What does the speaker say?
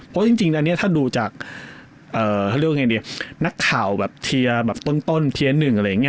เพราะจริงอันนี้ถ้าดูจากนักข่าวแบบเทียร์ต้นเทียร์หนึ่งอะไรอย่างนี้